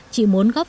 chị muốn góp